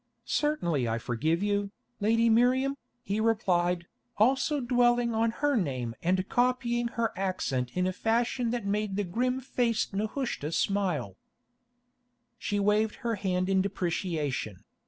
"Certainly I forgive you, Lady Miriam," he replied, also dwelling on her name and copying her accent in a fashion that made the grim faced Nehushta smile. She waved her hand in deprecation.